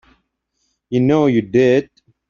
You know you did.